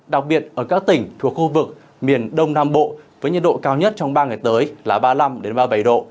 đặc biệt ở các tỉnh thuộc khu vực miền đông nam bộ với nhiệt độ cao nhất trong ba ngày tới là ba mươi năm ba mươi bảy độ